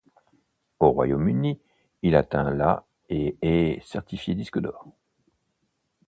Au Royaume-Uni il atteint la et est certifié disque d'or.